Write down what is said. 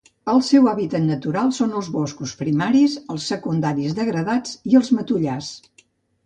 El seu hàbitat natural són els boscos primaris, els secundaris degradats i els matollars.